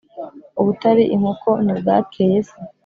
ubutari inkoko ntibwakeye se,